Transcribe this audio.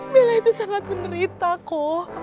bella itu sangat menderita kok